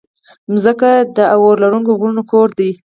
مځکه د اورلرونکو غرونو کور ده.